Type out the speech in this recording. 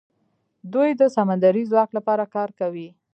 دوی د سمندري ځواک لپاره کار کوي.